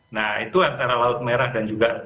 nah itu antara laut merah dan juga